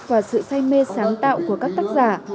và sự say mê sáng tạo của các tác giả